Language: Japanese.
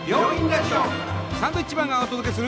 サンドウィッチマンがお届けする。